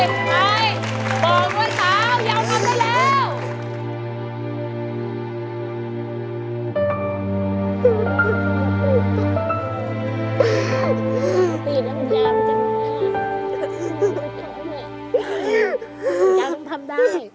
ไปมองด้วยสาวยาวทำได้แล้ว